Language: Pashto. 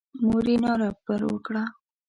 مور یې ناره پر وکړه.